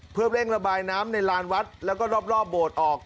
เพื่อเร่งระบายน้ำในลานวัดแล้วก็รอบโบสถ์ออก